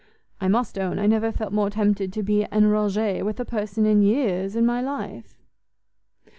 I must own I never felt more tempted to be enrage with a person in years, in my life."